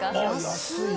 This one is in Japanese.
安い。